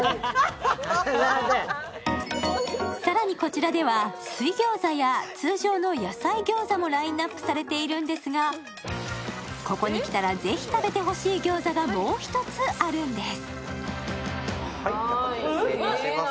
更にこちらでは水餃子や通常の野菜餃子もラインナップされているんですが、ここに来たら、ぜひ食べてほしい餃子がもう１つあるんです。